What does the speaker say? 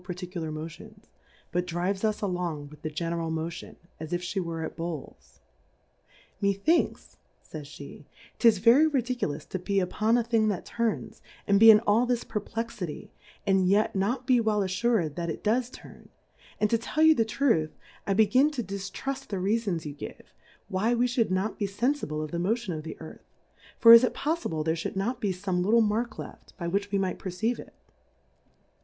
particular Motions, but drives us along with the general Motion, as if flie were at Bowls. Methinks, fays pe^ 'tis very ridicu lous to be upon a Thing that turns, and be in all this Perplexity, and yet not be well alTurM that it does turn ; and to tell you the Truth, I be gin to diftruft the Reafons you give, why we iliould not be fenfible of the Motion of the Earth ; for is it poffible there lliould not be fome little Mark left, by which we might perceive it